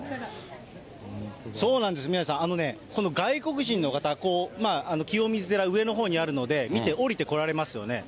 そうなんです、宮根さん、この外国人の方、こう、清水寺、上のほうにあるので、見て下りてこられますよね。